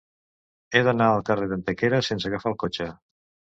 He d'anar al carrer d'Antequera sense agafar el cotxe.